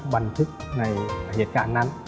บันทึกในเหตุการณ์นั้น